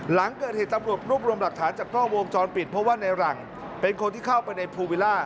หลังเกิดเหตุตำรวจรวบรวมหลักฐานจากกล้องวงจรปิดเพราะว่าในหลังเป็นคนที่เข้าไปในภูวิล่า